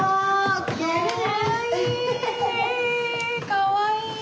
かわいい。